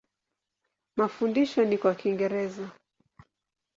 Mafundisho ni kwa Kiingereza.